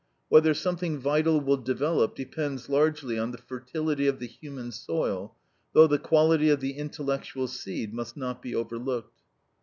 Whether something vital will develop depends largely on the fertility of the human soil, though the quality of the intellectual seed must not be overlooked.